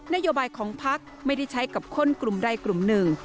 นโยบายของพักไม่ได้ใช้กับคนกลุ่มใดกลุ่มหนึ่ง